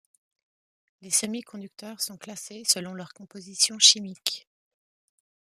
Les semi-conducteurs sont classés selon leur composition chimique.